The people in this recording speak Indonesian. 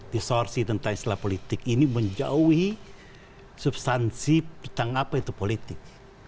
disorsi tentang istilah politik ini menjauhi substansi tentang apa itu politik